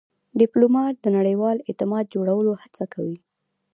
ډيپلومات د نړیوال اعتماد جوړولو هڅه کوي.